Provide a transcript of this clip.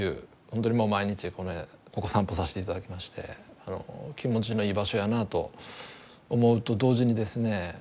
本当にもう毎日ここ散歩させて頂きまして気持ちのいい場所やなと思うと同時にですね